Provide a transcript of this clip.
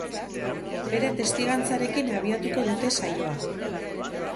Bere testigantzarekin abiatuko dute saioa.